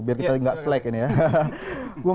biar kita nggak slake ini ya